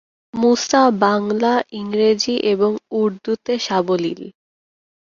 মুসা বাংলা, ইংরেজি এবং উর্দুতে সাবলীল।